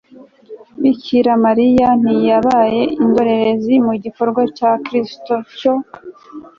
a.bikira mariya ntiyabaye indorerezi mu gikorwa cya kristu cyo